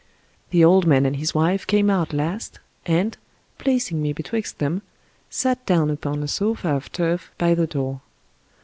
The old man and his wife came out last, and, plac ing me betwixt them, sat down upon a sofa of turf by the door.